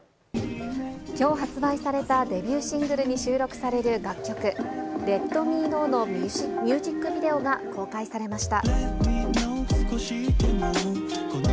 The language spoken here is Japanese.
きょう発売されたデビューシングルに収録される楽曲、レット・ミー・ノーのミュージックビデオが公開されました。